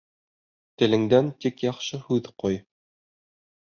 Телеңдән тик яҡшы һүҙ ҡой.